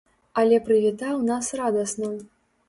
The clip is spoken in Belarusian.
Але прывітаў нас радасна.